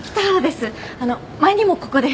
あの前にもここで。